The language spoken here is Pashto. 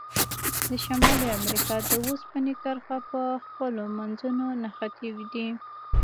د شمالي امریکا د اوسپنې کرښې په خپلو منځونو نښتي دي.